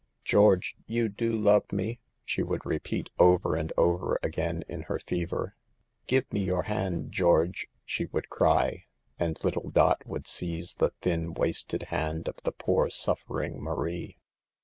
" George, you do love me," she would repeat, over and over again, in her fever. " Give me your hand, George," she would cry, and little Dot would seize the thin, wasted hand of the poor, suffering Marie.